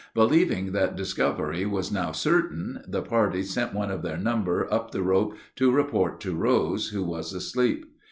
Believing that discovery was now certain, the party sent one of their number up the rope to report to Rose, who was asleep.